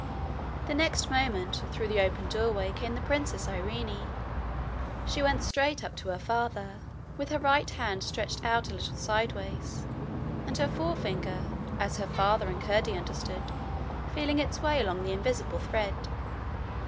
The next moment, through the open doorway came the princess Irene. She went straight up to her father, with her right hand stretched out a little sideways, and her forefinger, as her father and Curdie understood, feeling its way along the invisible thread.